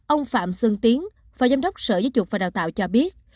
ông phạm xuân tiến phó giám đốc sở giáo dục và đào tạo cho biết